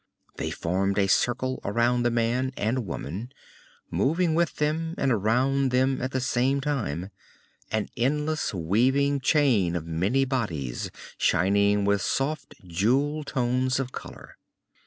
They formed a circle around the man and woman, moving with them and around them at the same time, an endless weaving chain of many bodies shining with soft jewel tones of color.